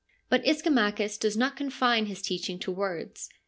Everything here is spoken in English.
But Ischomachus does not confine his teaching to words.